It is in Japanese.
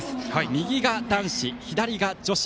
右が男子、左が女子。